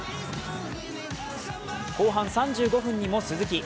後半３５分にも鈴木。